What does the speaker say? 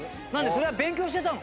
それは勉強してたの？